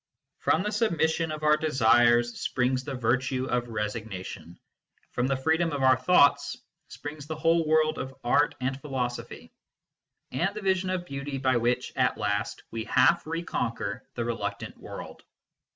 From the submission of our desires springs the virtue of resignation ; from the free dom of our thoughts springs the whole world of art and philosophy, and the vision of beauty by which, at last, we half reconquer the reluctant world.